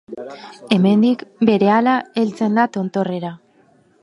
Hemendik, berehala heltzen da tontorrera.